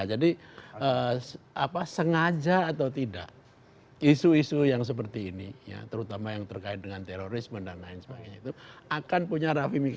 jadi apa sengaja atau tidak isu isu yang seperti ini ya terutama yang terkait dengan terorisme dan lain sebagainya itu akan punya ramifikasi politik